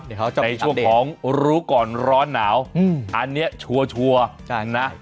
เดี๋ยวในช่วงของรู้ก่อนร้อนหนาวอันนี้ชัวร์นะ